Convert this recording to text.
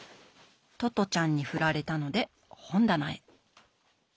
トトちゃんに振られたので本棚へ。